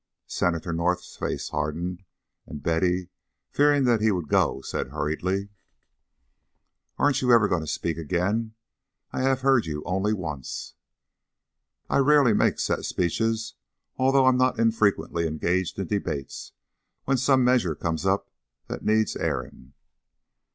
Senator North's face hardened, and Betty, fearing that he would go, said hurriedly, "Ar'n't you ever going to speak again? I have heard you only once." "I rarely make set speeches, although I not infrequently engage in debate when some measure comes up that needs airing."